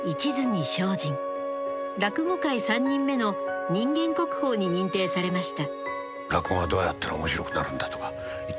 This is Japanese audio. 落語界３人目の人間国宝に認定されました。